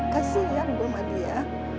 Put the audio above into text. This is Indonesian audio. kesian gue sama dia